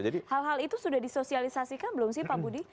hal hal itu sudah disosialisasikan belum sih pak budi